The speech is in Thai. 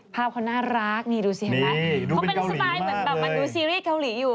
ภาพเขาน่ารักนี่ดูสิเขาเป็นสไตล์ดูซีรีส์เกาหลีอยู่